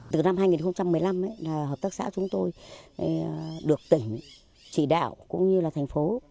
từ năm hai nghìn một mươi năm hợp tác xã chúng tôi được tỉnh chỉ đạo cũng như là thành phố